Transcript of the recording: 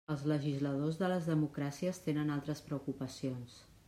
Els legisladors de les democràcies tenen altres preocupacions.